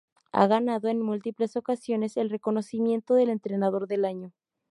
Ha ganado en múltiples ocasiones el reconocimiento del entrenador del año.